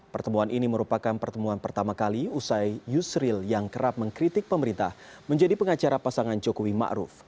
pertemuan ini merupakan pertemuan pertama kali usai yusril yang kerap mengkritik pemerintah menjadi pengacara pasangan jokowi ⁇ maruf ⁇